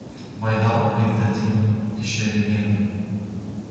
بَيْضَاءَ لَذَّةٍ لِلشَّارِبِينَ